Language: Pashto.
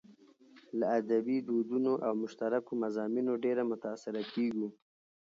له ادبي دودونو او مشترکو مضامينو ډېر متاثره کېږو.